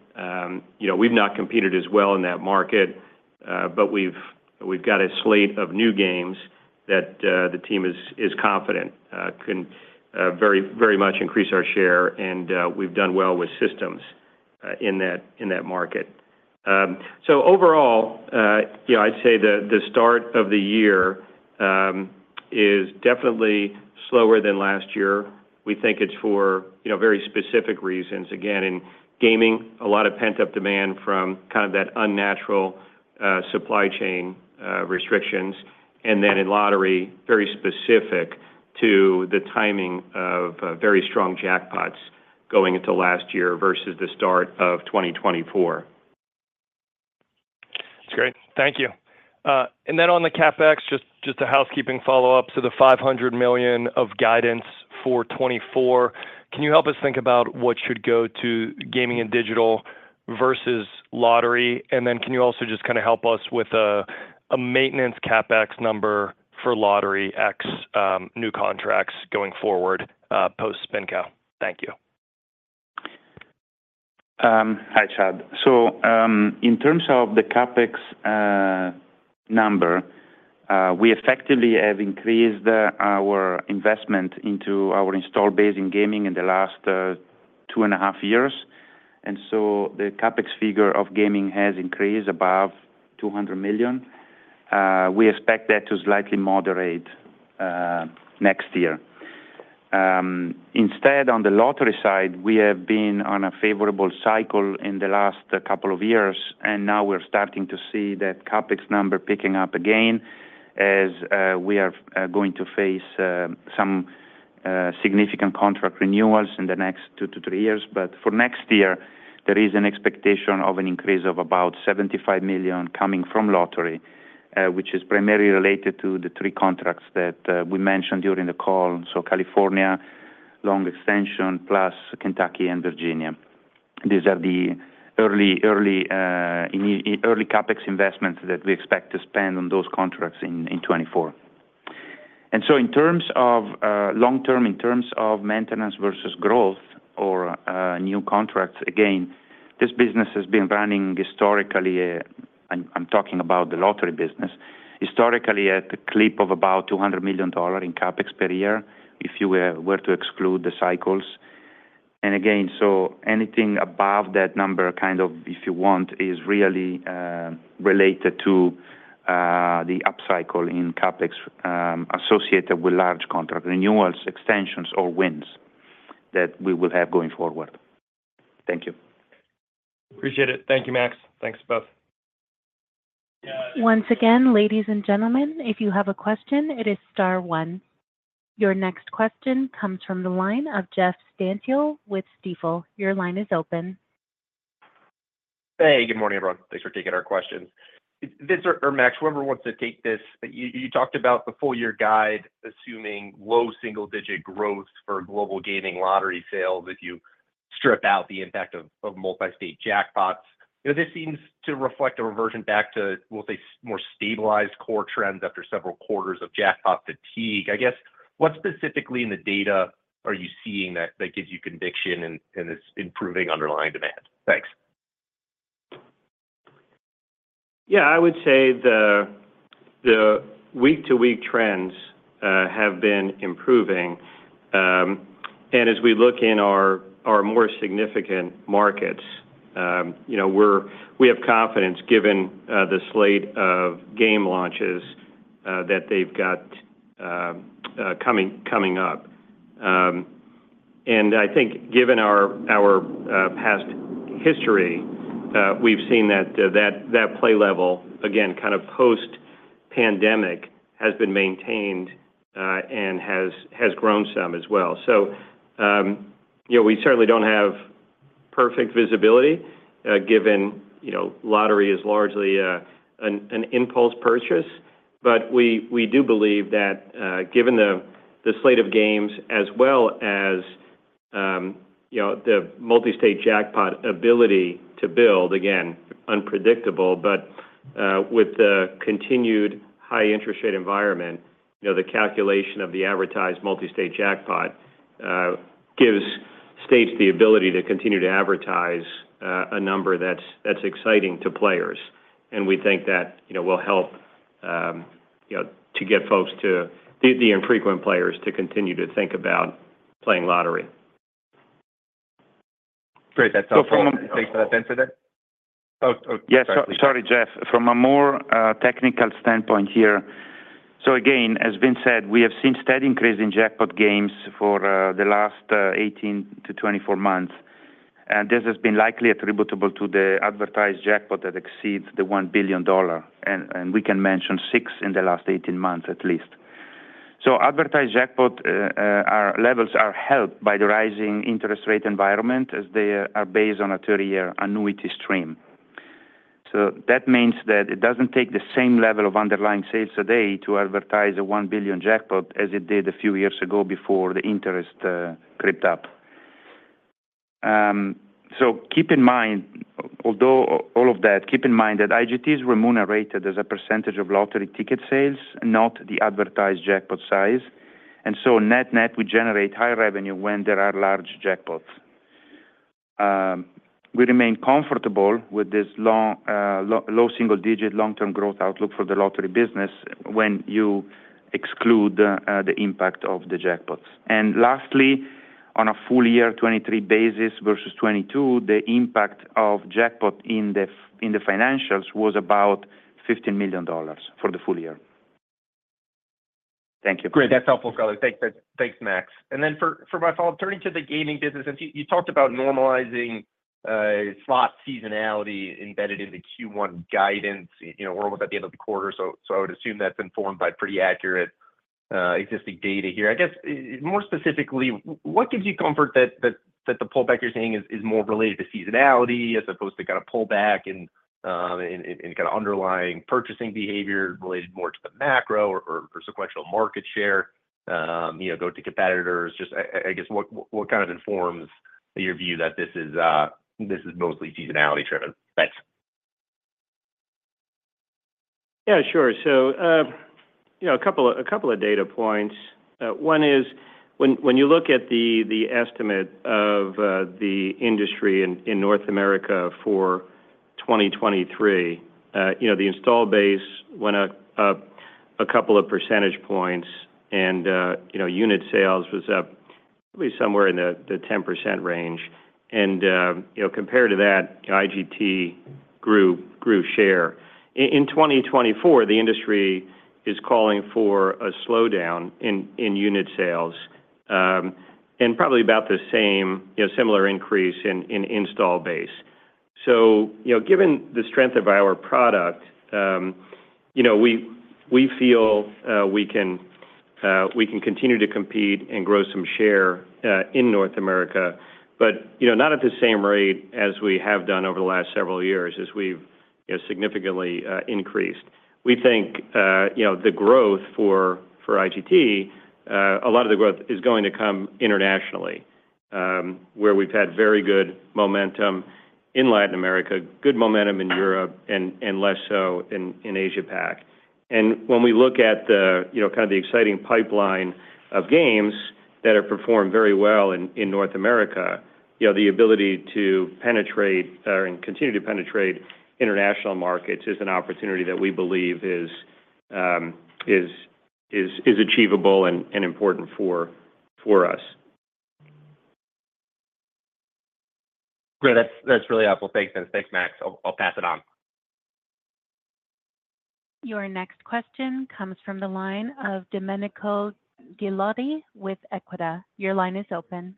S3: We've not competed as well in that market, but we've got a slate of new games that the team is confident can very much increase our share, and we've done well with systems in that market. So overall, you know, I'd say the start of the year is definitely slower than last year. We think it's for you know very specific reasons. Again, in Gaming, a lot of pent-up demand from kind of that unnatural supply chain restrictions, and then in Lottery, very specific to the timing of very strong jackpots going into last year versus the start of 2024.
S6: That's great. Thank you. And then on the CapEx, just a housekeeping follow-up to the $500 million of guidance for 2024. Can you help us think about what should go to Gaming and Digital versus Lottery? And then can you also just kind of help us with a maintenance CapEx number for Lottery ex new contracts going forward, post-spin-off? Thank you.
S4: Hi, Chad. So, in terms of the CapEx number, we effectively have increased our investment into our installed base in Gaming in the last two and a half years, and so the CapEx figure of Gaming has increased above $200 million. We expect that to slightly moderate next year. Instead, on the Lottery side, we have been on a favorable cycle in the last couple of years, and now we're starting to see that CapEx number picking up again as we are going to face some significant contract renewals in the next two to three years. But for next year, there is an expectation of an increase of about $75 million coming from Lottery, which is primarily related to the three contracts that we mentioned during the call. So California, long extension, plus Kentucky and Virginia. These are the early CapEx investments that we expect to spend on those contracts in 2024. And so in terms of long term, in terms of maintenance versus growth or new contracts, again, this business has been running historically, I'm talking about the Lottery business, historically at a clip of about $200 million in CapEx per year, if you were to exclude the cycles. And again, so anything above that number, kind of, if you want, is really related to the upcycle in CapEx associated with large contract renewals, extensions, or wins that we will have going forward. Thank you.
S6: Appreciate it. Thank you, Max. Thanks, both.
S1: Once again, ladies and gentlemen, if you have a question, it is star one. Your next question comes from the line of Jeff Stantial with Stifel. Your line is open.
S7: Hey, good morning, everyone. Thanks for taking our questions. Vince or Max, whoever wants to take this. You talked about the full year guide, assuming low single-digit growth for Global Gaming Lottery sales, if you strip out the impact of multi-state jackpots. You know, this seems to reflect a reversion back to, we'll say, more stabilized core trends after several quarters of jackpot fatigue. I guess, what specifically in the data are you seeing that gives you conviction and is improving underlying demand? Thanks.
S4: The week-to-week trends have been improving. And as we look in our more significant markets, you know, we have confidence given the slate of game launches that they've got coming up. And I think given our past history, we've seen that play level, again, kind of post-pandemic, has been maintained and has grown some as well. We certainly don't have perfect visibility given Lottery is largely an impulse purchase. But we do believe that given the slate of games as well as, you know, the multi-state jackpot ability to build, again, unpredictable.
S3: But with the continued high interest rate environment, you know, the calculation of the advertised multi-state jackpot gives states the ability to continue to advertise a number that's exciting to players. And we think that will help to get the infrequent players to continue to think about playing lottery.
S7: Great. That's helpful. Thanks for that, Vince.
S4: Sorry, Jeff. From a more technical standpoint here. So again, as Vince said, we have seen steady increase in jackpot games for the last 18-24 months, and this has been likely attributable to the advertised jackpot that exceeds the $1 billion, and we can mention 6 in the last 18 months at least. So advertised jackpot levels are helped by the rising interest rate environment, as they are based on a 30-year annuity stream. So that means that it doesn't take the same level of underlying sales today to advertise a $1 billion jackpot as it did a few years ago before the interest crept up. So keep in mind, although all of that, keep in mind that IGT is remunerated as a percentage of lottery ticket sales, not the advertised jackpot size. So net net, we generate high revenue when there are large jackpots. We remain comfortable with this low single-digit long-term growth outlook for the Lottery business when you exclude the impact of the jackpots. Lastly, on a full-year 2023 basis versus 2022, the impact of jackpot in the financials was about $15 million for the full year. Thank you.
S7: Great. That's helpful, color. Thanks, Max. And then for my follow-up, turning to the Gaming business, and you talked about normalizing slot seasonality embedded in the Q1 guidance. You know, we're almost at the end of the quarter, so I would assume that's informed by pretty accurate existing data here. I guess, more specifically, what gives you comfort that the pullback you're seeing is more related to seasonality as opposed to kind of pullback in kind of underlying purchasing behavior related more to the macro or sequential market share, you know, go to competitors? Just I guess, what kind of informs your view that this is this is mostly seasonality-driven? Thanks.
S3: Yeah, sure. So, you know, a couple of data points. One is, when you look at the estimate of the industry in North America for 2023, you know, the install base went up a couple of percentage points and, you know, unit sales was up probably somewhere in the 10% range. And, you know, compared to that, IGT grew share. In 2024, the industry is calling for a slowdown in unit sales, and probably about the same, you know, similar increase in install base. So, you know, given the strength of our product, you know, we feel we can continue to compete and grow some share in North America. But, you know, not at the same rate as we have done over the last several years as we've, you know, significantly increased. We think, you know, the growth for IGT, a lot of the growth is going to come internationally, where we've had very good momentum in Latin America, good momentum in Europe and less so in Asia Pac. And when we look at the, you know, kind of the exciting pipeline of games that have performed very well in North America, you know, the ability to penetrate and continue to penetrate international markets is an opportunity that we believe is achievable and important for us.
S7: Great. That's, that's really helpful. Thanks, and thanks, Max. I'll, pass it on.
S1: Your next question comes from the line of Domenico Ghilotti with Equita. Your line is open.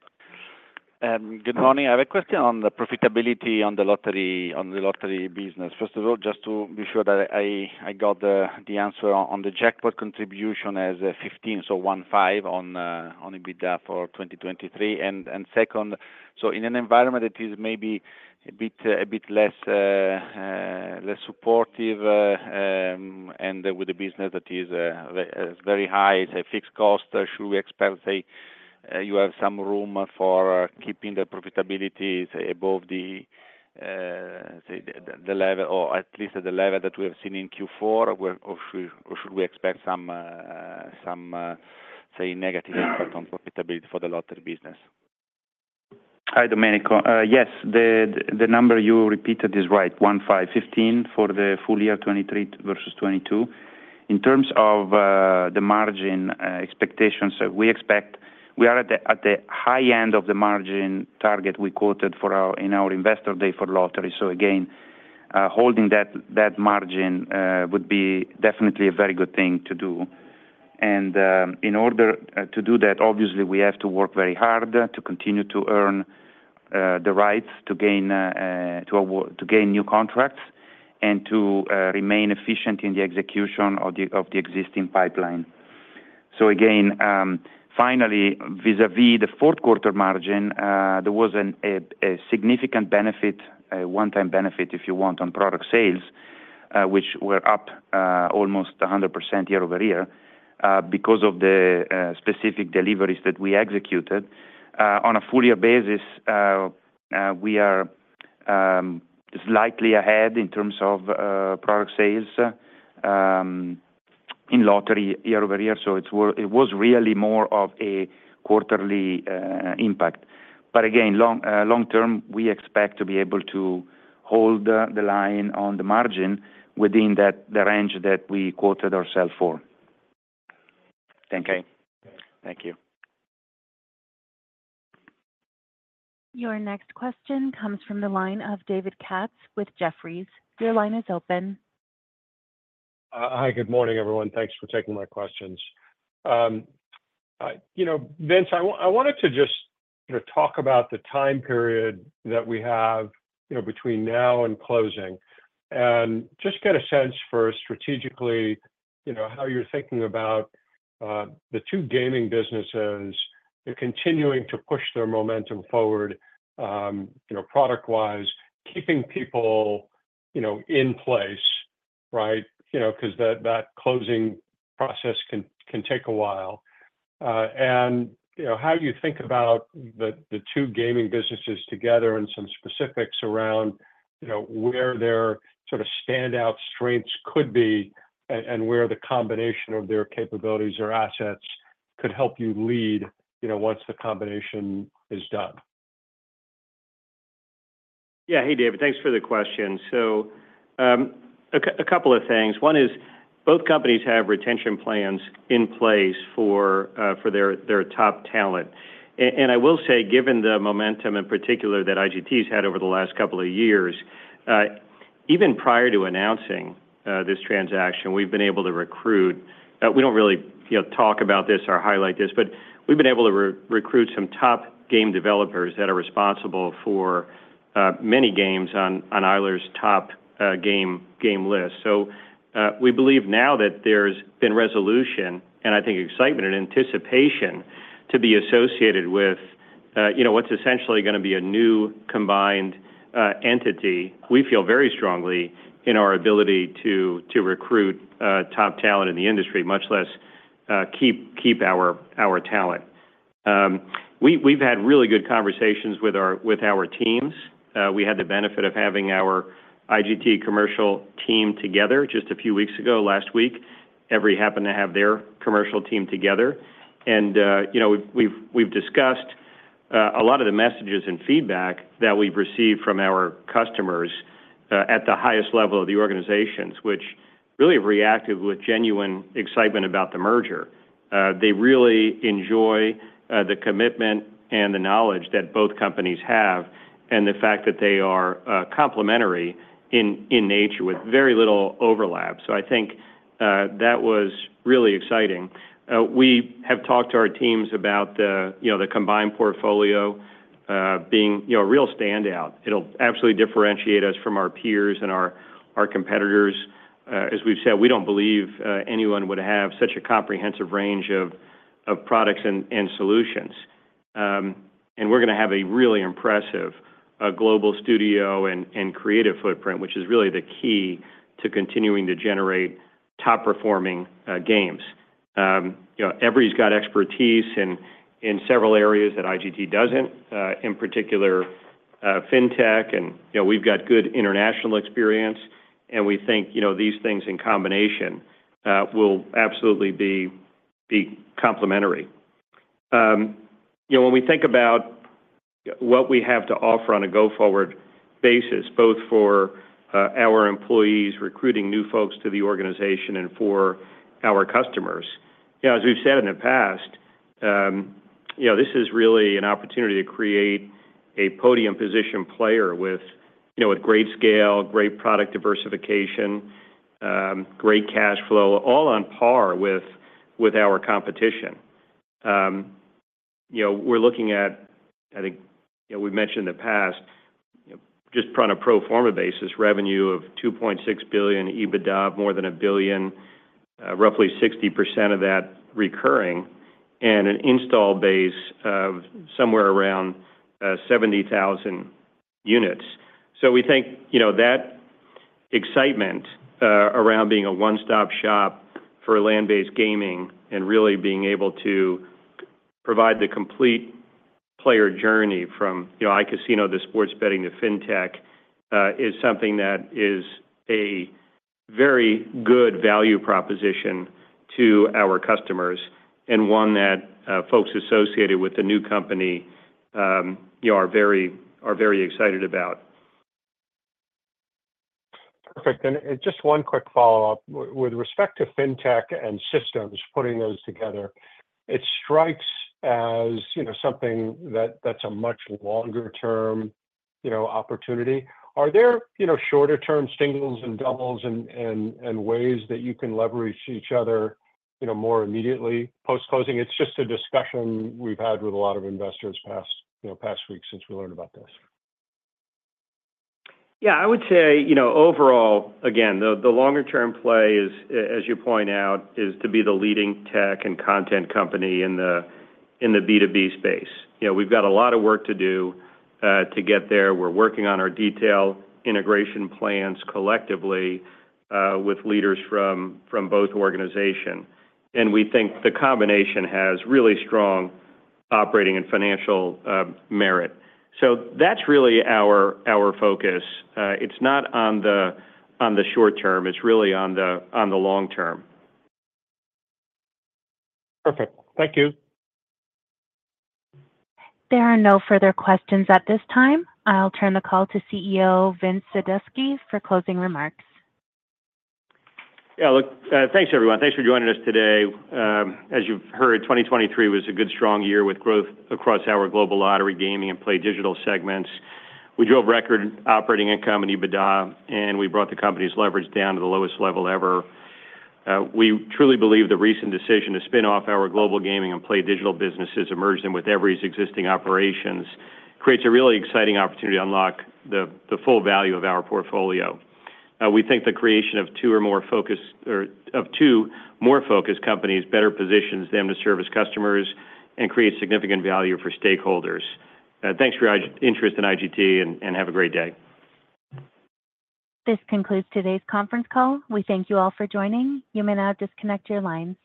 S8: Good morning. I have a question on the profitability on the Lottery business. First of all, just to be sure that I got the answer on the jackpot contribution as 15, so 15 on EBITDA for 2023. And second, so in an environment that is maybe a bit less supportive, and with a business that is very high, it's a fixed cost, should we expect, say, you have some room for keeping the profitability, say, above the level or at least the level that we have seen in Q4? Or should we expect some negative impact on profitability for the Lottery business?
S4: Hi, Domenico. Yes, the number you repeated is right, 15, 15 for the full year 2023 versus 2022. In terms of the margin expectations, we expect we are at the high end of the margin target we quoted in our Investor Day for Lottery. So again, holding that margin would be definitely a very good thing to do. And in order to do that, obviously, we have to work very hard to continue to earn the rights to gain to award to gain new contracts and to remain efficient in the execution of the existing pipeline. So again, finally, vis-à-vis the fourth quarter margin, there was a significant benefit, a one-time benefit, if you want, on product sales, which were up almost 100% year-over-year, because of the specific deliveries that we executed. On a full-year basis, we are slightly ahead in terms of product sales in Lottery year-over-year, so it was really more of a quarterly impact. But again, long-term, we expect to be able to hold the line on the margin within the range that we quoted ourself for.
S8: Thank you. Thank you.
S1: Your next question comes from the line of David Katz with Jefferies. Your line is open.
S9: Hi, good morning, everyone. Thanks for taking my questions. You know, Vince, I wanted to just, you know, talk about the time period that we have, you know, between now and closing. And just get a sense for strategically, you know, how you're thinking about the two gaming businesses, they're continuing to push their momentum forward, you know, product-wise, keeping people, you know, in place, right? You know, because that closing process can take a while. And, you know, how do you think about the two gaming businesses together and some specifics around, you know, where their sort of standout strengths could be, and where the combination of their capabilities or assets could help you lead, you know, once the combination is done?
S3: Yeah. Hey, David, thanks for the question. So, a couple of things. One is, both companies have retention plans in place for their top talent. And I will say, given the momentum in particular that IGT's had over the last couple of years, even prior to announcing this transaction, we've been able to recruit. We don't really, you know, talk about this or highlight this, but we've been able to recruit some top game developers that are responsible for many games on Eilers' top game list. So, we believe now that there's been resolution, and I think excitement and anticipation to be associated with, you know, what's essentially going to be a new combined entity. We feel very strongly in our ability to recruit top talent in the industry, much less keep our talent. We've had really good conversations with our teams. We had the benefit of having our IGT commercial team together just a few weeks ago. Last week, Everi happened to have their commercial team together. You know, we've discussed a lot of the messages and feedback that we've received from our customers at the highest level of the organizations, which really reacted with genuine excitement about the merger. They really enjoy the commitment and the knowledge that both companies have, and the fact that they are complementary in nature with very little overlap. So I think that was really exciting. We have talked to our teams about the, you know, the combined portfolio being, you know, a real standout. It'll absolutely differentiate us from our peers and our competitors. As we've said, we don't believe anyone would have such a comprehensive range of products and solutions. And we're going to have a really impressive global studio and creative footprint, which is really the key to continuing to generate top-performing games. You know, Everi's got expertise in several areas that IGT doesn't, in particular, FinTech, and we've got good international experience, and we think, you know, these things in combination will absolutely be complementary. You know, when we think about what we have to offer on a go-forward basis, both for our employees, recruiting new folks to the organization and for our customers, you know, as we've said in the past, you know, this is really an opportunity to create a podium position player with, you know, with great scale, great product diversification, great cash flow, all on par with our competition. You know, we're looking at, I think, you know, we've mentioned in the past, just on a pro forma basis, revenue of $2.6 billion, EBITDA more than $1 billion, roughly 60% of that recurring, and an install base of somewhere around 70,000 units. So we think, you know, that excitement around being a one-stop shop for land-based gaming and really being able to provide the complete player journey from, you know, iCasino to sports betting to FinTech is something that is very good value proposition to our customers and one that, folks associated with the new company, you know, are very, are very excited about.
S9: Perfect. Just one quick follow-up. With respect to FinTech and systems, putting those together, it strikes as, you know, something that, that's a much longer-term, you know, opportunity. Are there, you know, shorter-term singles and doubles and ways that you can leverage each other, you know, more immediately post-closing? It's just a discussion we've had with a lot of investors past, you know, past week since we learned about this.
S3: Yeah, I would say, you know, overall, again, the longer-term play is, as you point out, to be the leading tech and content company in the B2B space. You know, we've got a lot of work to do to get there. We're working on our detailed integration plans collectively with leaders from both organizations. And we think the combination has really strong operating and financial merit. So that's really our focus. It's not on the short term. It's really on the long term.
S9: Perfect. Thank you.
S1: There are no further questions at this time. I'll turn the call to CEO, Vince Sadusky, for closing remarks.
S3: Yeah, look, thanks, everyone. Thanks for joining us today. As you've heard, 2023 was a good, strong year with growth across our Global Lottery, Gaming, and PlayDigital segments. We drove record operating income and EBITDA, and we brought the company's leverage down to the lowest level ever. We truly believe the recent decision to spin off our Global Gaming and PlayDigital businesses, and merge them with Everi's existing operations, creates a really exciting opportunity to unlock the full value of our portfolio. We think the creation of two or more focused, or of two more focused companies, better positions them to service customers and create significant value for stakeholders. Thanks for your interest in IGT, and have a great day.
S1: This concludes today's conference call. We thank you all for joining. You may now disconnect your lines.